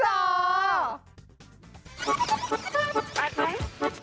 ไป